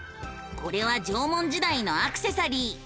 これは縄文時代のアクセサリー。